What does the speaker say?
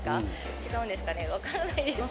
違うんですかね、分からないです。